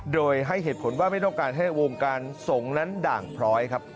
โดยให้เหตุผลว่าไม่ต้องการให้วงการสงฆ์นั้นด่างพร้อยครับ